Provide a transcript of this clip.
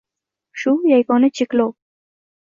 Shu yagona cheklov.